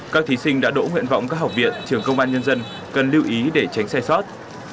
các thí sinh đã đỗ nguyện vọng các học viện trường công an nhân dân cần lưu ý để tránh xe sót